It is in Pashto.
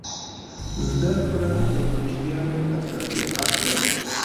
زده کړه د کوچنیانو اساسي حق دی.